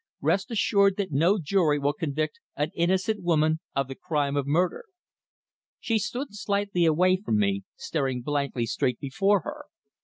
"Rest assured that no jury will convict an innocent woman of the crime of murder." She stood slightly away from me, staring blankly straight before her.